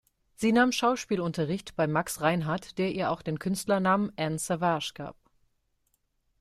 Sie nahm Schauspielunterricht bei Max Reinhardt, der ihr auch den Künstlernamen "Ann Savage" gab.